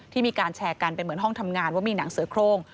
มีการแชร์กันเป็นเหมือนห้องทำงานว่ามีหนังเสือโครง